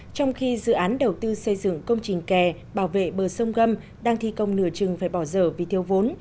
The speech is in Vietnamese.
trong khi dự án đầu tư xây dựng công trình kè bảo vệ bờ sông gâm đang thi công nửa chừng phải bỏ dở vì thiếu vốn